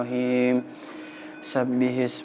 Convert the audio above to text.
di majlis siapa